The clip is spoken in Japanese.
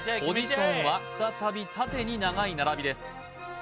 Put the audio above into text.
ポジションは再び縦に長い並びです